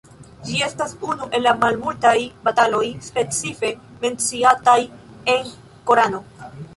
Ĝi estas unu el la malmultaj bataloj specife menciataj en Korano.